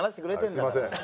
はいすいません。